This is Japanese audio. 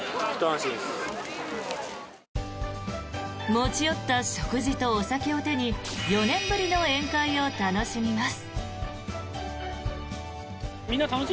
持ち寄った食事とお酒を手に４年ぶりの宴会を楽しみます。